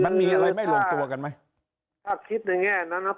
มันมีอะไรไม่ลงตัวกันไหมถ้าคิดในแง่นั้นนะ